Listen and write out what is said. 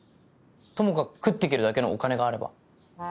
ともかく食っていけるだけのお金があれば。